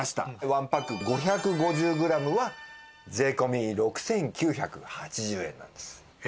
１パック５５０グラムは税込６９８０円なんです。えっ？